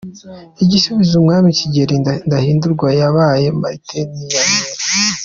Igisubizo Umwami Kigeli Ndahindurwa yahaye Martin Ntiyamira